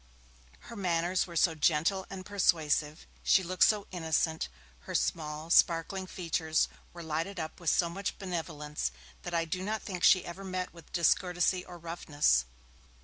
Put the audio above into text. Her manners were so gentle and persuasive, she looked so innocent, her small, sparkling features were lighted up with so much benevolence, that I do not think she ever met with discourtesy or roughness.